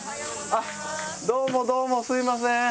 どうもどうもすいません。